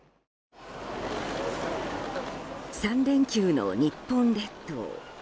３連休の日本列島。